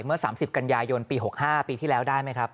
เมื่อ๓๐กันยายนปี๖๕ปีที่แล้วได้ไหมครับ